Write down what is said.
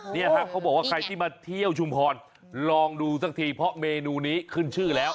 เนี่ยฮะเขาบอกว่าใครที่มาเที่ยวชุมพรลองดูสักทีเพราะเมนูนี้ขึ้นชื่อแล้ว